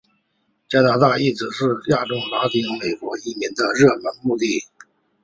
加拿大一直是亚裔拉丁美洲移民的热门目的地。